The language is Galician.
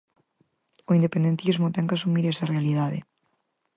O independentismo ten que asumir esa realidade.